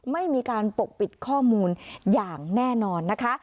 ไม่มีการปกปิดข้อมูลอย่างแน่นอนนะคะ